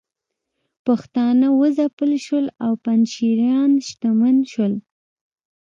پښتانه وځپل شول او پنجشیریان شتمن شول